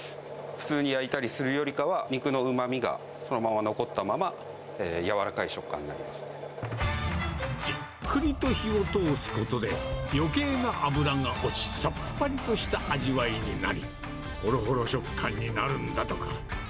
普通に焼いたりするよりかは、肉のうまみがそのまま残ったまま、じっくりと火を通すことで、よけいな脂が落ち、さっぱりとした味わいになり、ほろほろ食感になるんだとか。